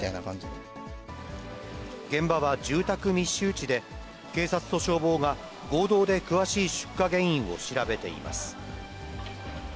現場は住宅密集地で、警察と消防が、合同で詳しい出火原因を調べています。